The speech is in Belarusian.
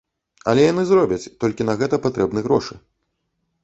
Але яны зробяць, толькі на гэта патрэбны грошы.